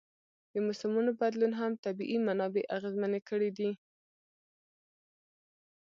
د موسمونو بدلون هم طبیعي منابع اغېزمنې کړي دي.